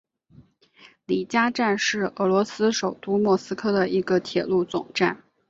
里加站是俄罗斯首都莫斯科的一个铁路总站。